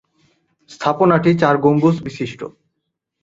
স্থাপনাটি চার গম্বুজ বিশিষ্ট।